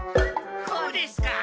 こうですか？